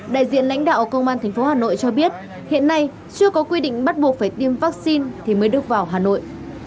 đại diện lãnh đạo công an thành phố hà nội cho biết hiện nay chưa có quy định bắt buộc phải tiêm vaccine thì mới được vào hà nội